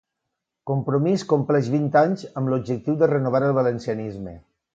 Compromís compleix vint anys amb l'objectiu de renovar el valencianisme.